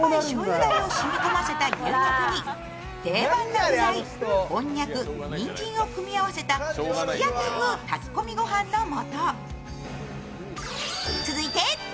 だれを染み込ませた牛肉に定番のあさり、こんにゃく、にんじんを組み合わせたすき焼き風炊き込みご飯の素。